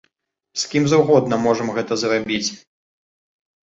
З кім заўгодна можам гэта зрабіць.